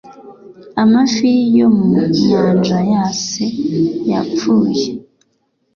amafi yo mu nyanja yase yapfuye